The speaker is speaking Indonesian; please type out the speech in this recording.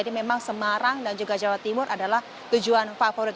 dan juga jawa timur adalah tujuan favorit